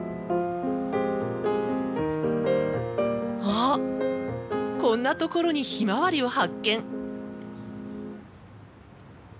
あっこんなところにひまわりを発見。